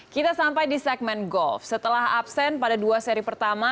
kita sampai di segmen golf setelah absen pada dua seri pertama